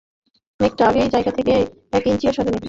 মেঘটা আগের জায়গা থেকে এক ইঞ্চিও সরেনি।